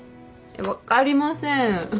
分かりません。